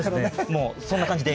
もうそんな感じで。